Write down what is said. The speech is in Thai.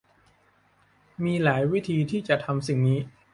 มีหลายวิธีที่จะทำสิ่งนี้